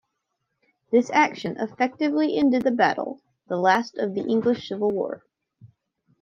This action effectively ended the battle, the last of the English Civil War.